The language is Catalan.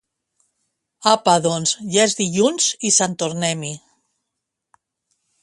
Apa doncs, ja és dilluns i sant tornem-hi!